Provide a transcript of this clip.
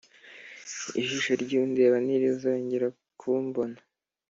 ijisho ry’undeba ntirizongera kumbona